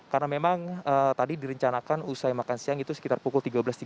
karena memang tadi direncanakan usai makan siang itu sekitar pukul tiga belas tiga puluh